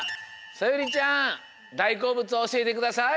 そよりちゃんだいこうぶつをおしえてください。